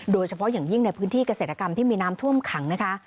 โดยเฉพาะอย่างยิ่งในพื้นที่เกษตรกรรมที่มีน้ำท่วมขังนะคะ